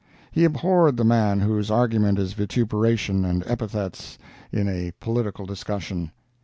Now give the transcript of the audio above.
He abhorred the man whose argument is vituperation and epithets in a political discussion.